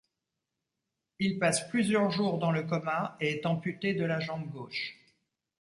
Il passe plusieurs jours dans le coma et est amputé de la jambe gauche.